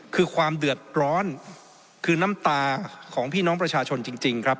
คือความเดือดร้อนคือน้ำตาของพี่น้องประชาชนจริงครับ